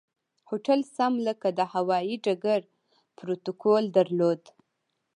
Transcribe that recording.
هوټل سم لکه د هوایي ډګر پروتوکول درلود.